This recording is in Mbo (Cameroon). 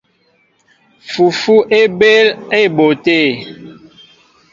Fufu é ɓéél á éɓóʼ te.